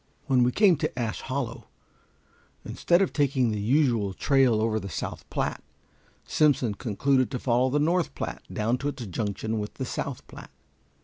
When we came to Ash Hollow, instead of taking the usual trail over to the South Platte, Simpson concluded to follow the North Platte down to its junction with the South Platte.